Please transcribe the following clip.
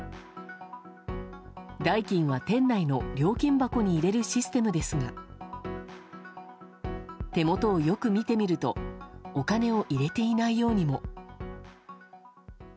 代金は店内の料金箱に入れるシステムですが手元をよく見てみるとお金を入れていないようにも。